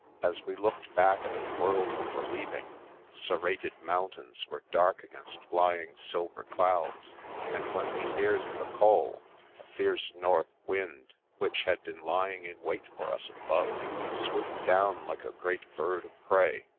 As we looked back at the world we were leaving, serrated mountains were dark against flying silver clouds, and when we neared the Col, a fierce north wind, which had been lying in wait for us above, swooped down like a great bird of prey.